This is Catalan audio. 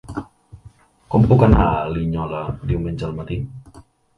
Com puc anar a Linyola diumenge al matí?